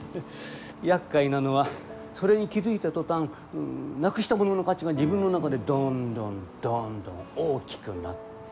やっかいなのはそれに気付いた途端なくしたものの価値が自分の中でどんどんどんどん大きくなる。